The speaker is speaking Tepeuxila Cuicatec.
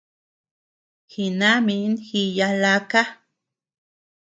Jinamin jiya laka.